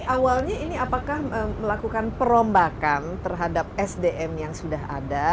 awalnya ini apakah melakukan perombakan terhadap sdm yang sudah ada